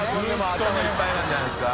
頭いっぱいなんじゃないですか？